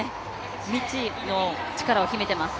未知の力を秘めています。